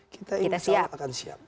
kita ingin selalu akan siap